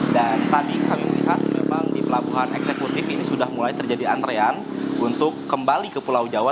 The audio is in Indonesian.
dan tadi kami melihat memang di pelabuhan eksekutif ini sudah mulai terjadi antrean untuk kembali ke pulau jawa